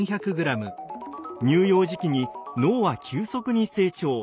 乳幼児期に脳は急速に成長。